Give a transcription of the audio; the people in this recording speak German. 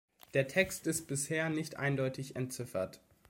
Der Text ist bisher nicht eindeutig entziffert.